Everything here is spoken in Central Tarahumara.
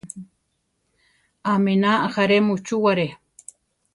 Aminá ajaré muchúware.